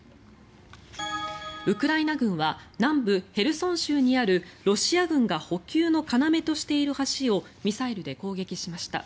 ウクライナ軍は南部ヘルソン州にあるロシア軍が補給の要としている橋をミサイルで攻撃しました。